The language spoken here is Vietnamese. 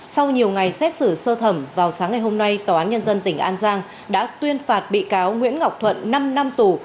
sau nhiều ngày xét xử sơ thẩm vào sáng ngày hôm nay tòa án nhân dân tỉnh an giang đã tuyên phạt bị cáo nguyễn ngọc thuận năm năm tù